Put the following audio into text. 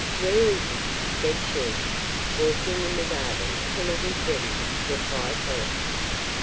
Where is he? said she.—Walking in the garden till it is ready, replied he.